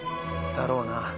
だろうな。